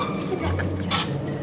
ini udah kejap